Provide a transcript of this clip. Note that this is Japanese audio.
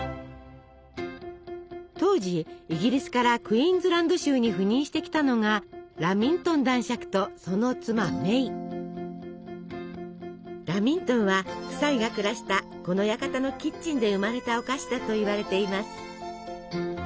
当時イギリスからクイーンズランド州に赴任してきたのがラミントンは夫妻が暮らしたこの館のキッチンで生まれたお菓子だといわれています。